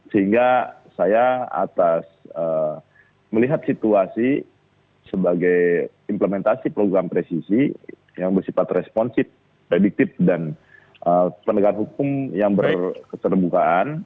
sehingga saya atas melihat situasi sebagai implementasi program presisi yang bersifat responsif rediktif dan penegak hukum yang berkeserbukaan